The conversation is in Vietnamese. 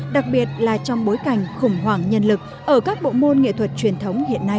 đặc biệt là trong bối cảnh khủng hoảng nhân lực ở các bộ môn nghệ thuật truyền thống hiện nay